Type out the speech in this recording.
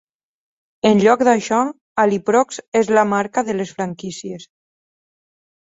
En lloc d'això, Aliprox és la marca de les franquícies.